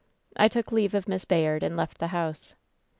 I took leave of Miss Bayard, and left the house.